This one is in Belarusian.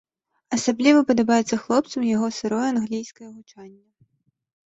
Асабліва падабаецца хлопцам яго сырое англійскае гучанне.